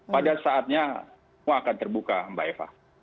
pada saatnya semua akan terbuka mbak eva